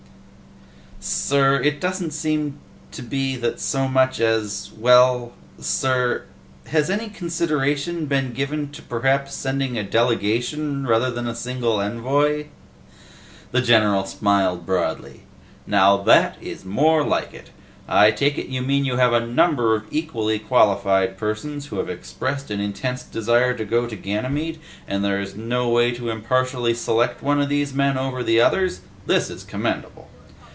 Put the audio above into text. "Sir, it doesn't seem to be that so much as ... well ... sir, has any consideration been given to perhaps sending a delegation rather than a single envoy?" The general smiled broadly. "Now, that is more like it! I take it you mean you have a number of equally qualified persons who have expressed an intense desire to go to Ganymede, and there is no way to impartially select one of these men over the others? This is commendable.